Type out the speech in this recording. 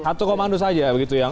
satu komando saja begitu yang